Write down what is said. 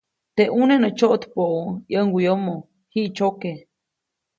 Teʼ ʼuneʼ nä tsyoʼtpäʼu ʼyäŋguʼyomo, jiʼtsyoke.